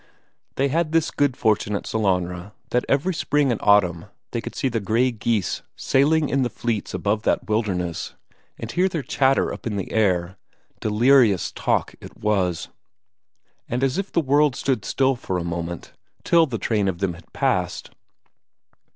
They had this good fortune at Sellanraa, that every spring and autumn they could see the grey geese sailing in fleets above that wilderness, and hear their chatter up in the air delirious talk it was. And as if the world stood still for a moment, till the train of them had passed.